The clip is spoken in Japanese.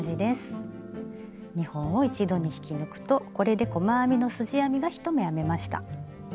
２本を一度に引き抜くとこれで細編みのすじ編みが１目編めました。